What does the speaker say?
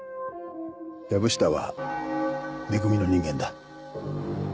薮下は「め組」の人間だ。